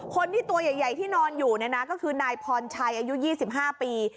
คนที่ตัวใหญ่ที่นอนอยู่นะคือนายพรชัยอายุ๒๕ปี